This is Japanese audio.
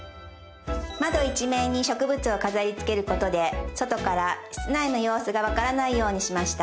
窓一面に植物を飾りつけることで外から室内の様子がわからないようにしました。